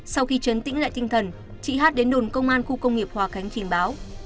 sau khi chấn tĩnh lại tinh thần chị hát đến đồn công an khu công nghiệp hòa khánh trình báo